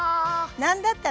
何だったらね